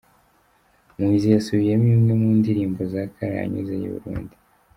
Muhizi yasubiyemo imwe mu ndirimbo za karahanyuze y’i Burundi